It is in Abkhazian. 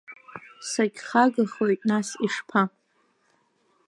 Сагьхагахоит нас ишԥа!